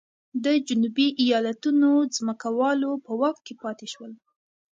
د جنوبي ایالتونو ځمکوالو په واک کې پاتې شول.